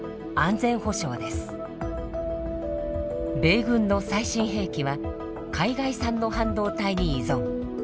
米軍の最新兵器は海外産の半導体に依存。